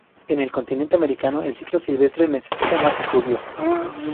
En el continente americano, el ciclo silvestre necesita más estudio.